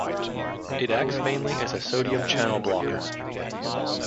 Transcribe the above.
It acts mainly as a sodium channel blocker.